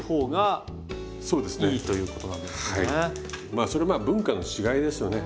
まあそれまあ文化の違いですよね。